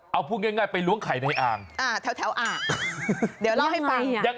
เอาพูดง่ายไปล้วงไข่ในอ่างแถวอ่างเดี๋ยวเล่าให้ฟัง